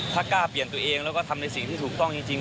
ถ้ากล้าเปลี่ยนตัวเองแล้วก็ทำในสิ่งที่ถูกต้องจริง